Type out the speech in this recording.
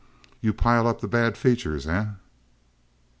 "You pile up the bad features, eh?"